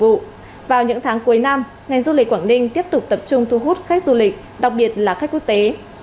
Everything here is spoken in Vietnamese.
vụ vào những tháng cuối năm ngành du lịch quảng ninh tiếp tục tập trung thu hút khách du lịch đặc biệt là khách quốc tế